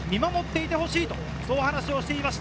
見守っていてほしいと話していました。